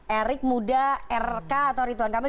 erik muda rk atau rituan kamil